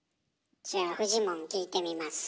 じゃあフジモン聞いてみます。